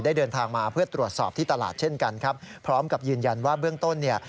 เดินทางมาเพื่อตรวจสอบที่ตลาดเช่นกันครับพร้อมกับยืนยันว่าเบื้องต้นเนี่ย